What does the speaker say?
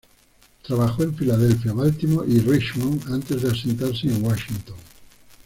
Trabajó en Filadelfia, Baltimore y Richmond antes de asentarse en Washington.